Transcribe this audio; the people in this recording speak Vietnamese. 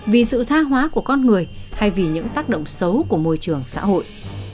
vì sự tha hóa của con người hay vì những tác động xấu của môi trường xã hội